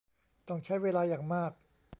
ต้องใช้เวลาอย่างมาก